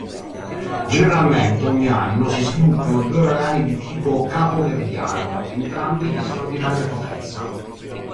Generalmente, ogni anno si sviluppano due uragani di tipo capoverdiano, entrambi di straordinaria potenza.